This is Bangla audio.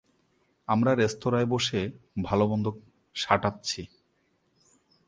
আমরা রেস্তরাঁয় বসে ভালোমন্দ সাঁটাচ্ছি।